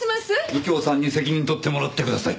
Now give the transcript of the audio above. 右京さんに責任取ってもらってください。